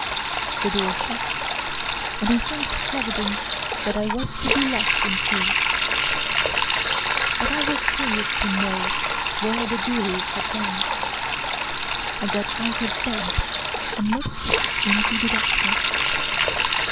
The door shut, and I thanked Providence that I was to be left in peace. But I was curious to know where the doolies had gone. I got out of bed and looked into the darkness.